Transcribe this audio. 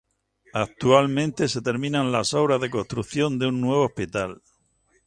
Actualmente se terminan las obras de construcción de un nuevo hospital.